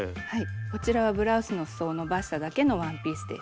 こちらはブラウスのすそをのばしただけのワンピースです。